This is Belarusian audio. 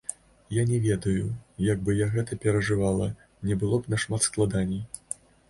Я не ведаю, як бы я гэта перажывала, мне было б нашмат складаней.